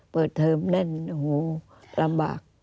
เปิดเทิมนั่นโหลำบาก